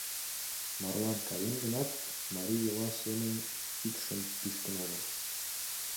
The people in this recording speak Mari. Марлан каен гынат, марий йӱла семын ӱпшым пӱчкын огыл.